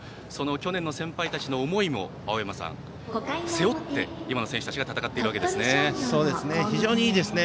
去年の先輩たちの思いも背負って、今の選手たちは非常にいいですね。